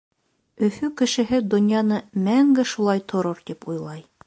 Өфө кешеһе донъяны мәңге шулай торор тип уйлай.